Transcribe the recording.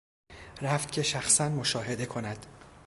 رفت که شخصا مشاهده کند.